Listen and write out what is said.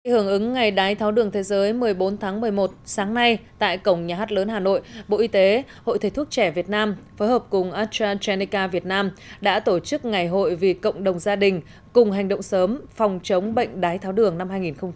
hưởng ứng ngày đái tháo đường thế giới một mươi bốn tháng một mươi một sáng nay tại cổng nhà hát lớn hà nội bộ y tế hội thầy thuốc trẻ việt nam phối hợp cùng astrazeneca việt nam đã tổ chức ngày hội vì cộng đồng gia đình cùng hành động sớm phòng chống bệnh đái tháo đường năm hai nghìn một mươi chín